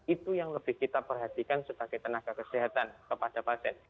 itu yang lebih kita perhatikan sebagai tenaga kesehatan kepada pasien